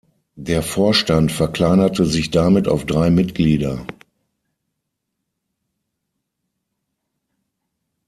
Der Vorstand verkleinerte sich damit auf drei Mitglieder.